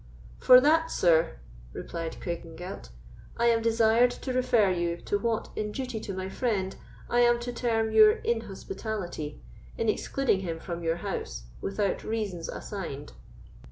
"For that, sir," replied Craigengelt, "I am desired to refer you to what, in duty to my friend, I am to term your inhospitality in excluding him from your house, without reasons assigned."